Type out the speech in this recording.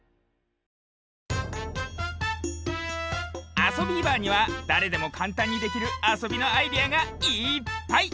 「あそビーバー」にはだれでもかんたんにできるあそびのアイデアがいっぱい！